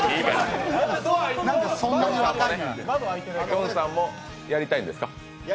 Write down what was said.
きょんさんもやりたいんですか？